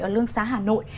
ở lương xá hà nội